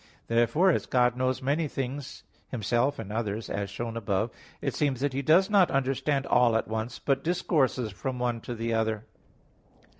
Therefore as God knows many things, Himself and others, as shown above (AA. 2, 5), it seems that He does not understand all at once, but discourses from one to another.